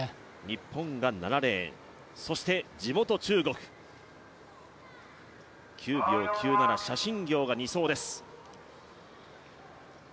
日本が７レーン、そして地元中国、９秒０７、謝震業が２走です。